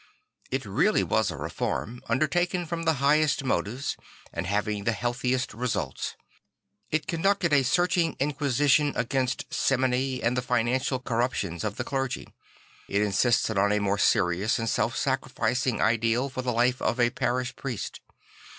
I t really was a reform, undertaken from the highest motives and having the healthiest results; it conducted a searching inquisition against simony or the financial corruptions of the clergy; it insisted on a more serious and self sacrificing ideal for the life of a parish priest.